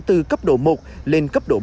từ cấp ca mắc đến cấp ca mắc